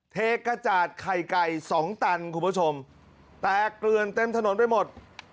เทกระจาดไข่ไก่สองตันคุณผู้ชมแตกเกลือนเต็มถนนไปหมด